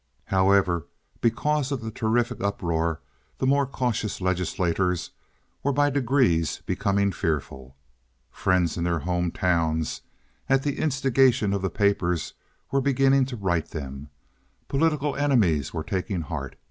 However, because of the terrific uproar the more cautious legislators were by degrees becoming fearful. Friends in their home towns, at the instigation of the papers, were beginning to write them. Political enemies were taking heart.